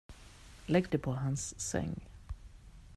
Lägg det på hans säng.